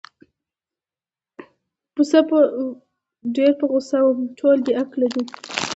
ډېر په غوسه وم، ټول بې عقله دي.